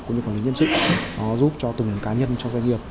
cũng như quản lý nhân sự giúp cho từng cá nhân cho doanh nghiệp